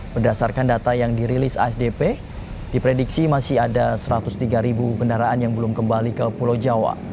berdasarkan data yang dirilis asdp diprediksi masih ada satu ratus tiga kendaraan yang belum kembali ke pulau jawa